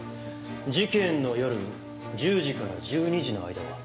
事件の夜１０時から１２時の間は？